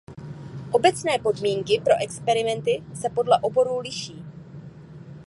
Obecné podmínky pro experimenty se podle oborů liší.